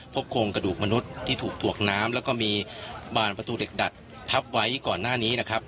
โครงกระดูกมนุษย์ที่ถูกถวกน้ำแล้วก็มีบานประตูเหล็กดัดทับไว้ก่อนหน้านี้นะครับ